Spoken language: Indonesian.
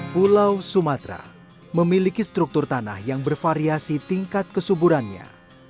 pulau sumatera memiliki struktur tanah yang bervariasi tingkat kesuburannya